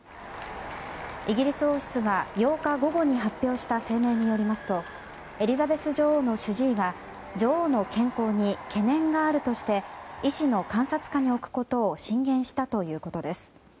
イギリス王室が８日午後に発表した声明によりますとエリザベス女王の主治医が女王の健康に懸念があるとして医師の観察下に置くことを進言したということです。